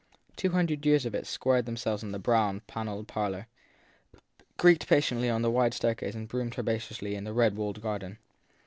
Two hundred years of it squared themselves in the brown, panelled parlour, creaked patiently on the wide staircase, and bloomed herba THE THIRD PERSON 247 ceously in the red walled garden.